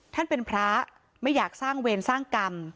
ท่านเป็นพระไม่อยากสร้างเวรสร้างกรรม